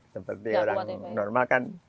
seperti orang normal kan